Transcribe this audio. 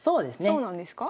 そうなんですか？